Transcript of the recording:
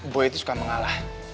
boy itu suka mengalah